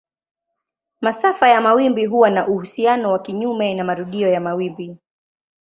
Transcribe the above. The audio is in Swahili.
Masafa ya mawimbi huwa na uhusiano wa kinyume na marudio ya wimbi.